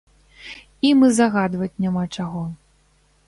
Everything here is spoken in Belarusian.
Ім і загадваць няма чаго.